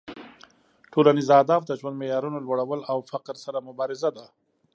ټولنیز اهداف د ژوند معیارونو لوړول او فقر سره مبارزه ده